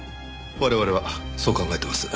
我々はそう考えてます。